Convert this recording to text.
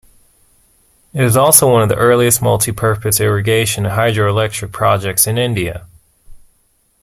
It is also one of the earliest multi-purpose irrigation and hydro-electric projects in India.